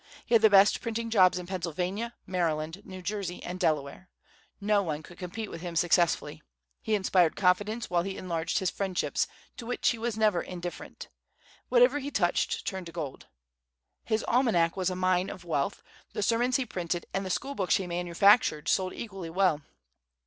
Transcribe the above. He had the best printing jobs in Pennsylvania, Maryland, New Jersey, and Delaware. No one could compete with him successfully. He inspired confidence while he enlarged his friendships, to which he was never indifferent. Whatever he touched turned to gold. His almanac was a mine of wealth; the sermons he printed, and the school books he manufactured, sold equally well.